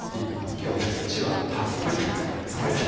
今日は１わたっぷり使っていきますね。